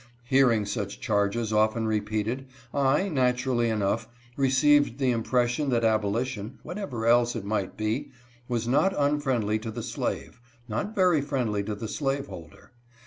Hearing such charges often repeated, I, naturally enough, received the impression that abolition — whatever else it might be — was not unfriendly to the slave, nor very friendly to the slaveholder.